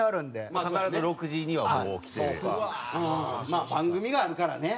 まあ番組があるからね。